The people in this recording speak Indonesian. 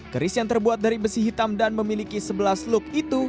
keris yang terbuat dari besi hitam dan memiliki sebelas look itu